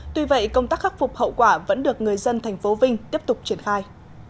tuy vậy công tác khắc phục hậu quả vẫn được người dân thành phố vinh tiếp tục triển khai